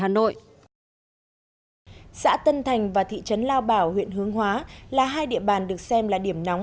xã tân thành và thị trấn lao bảo huyện hướng hóa là hai địa bàn được xem là điểm nóng